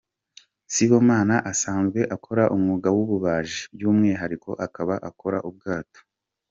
Sibomana asanzwe akora umwuga w’ububaji, by’umwihariko akaba akora ubwato.